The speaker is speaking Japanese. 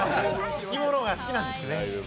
生き物が好きなんですね。